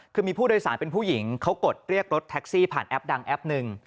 คือมีผู้โดยสารเป็นผู้หญิงเขากดเรียกรถแท็กซี่ผ่านแอปดังแอปหนึ่ง